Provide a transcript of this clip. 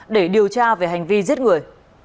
để điều tra về hành vi giết người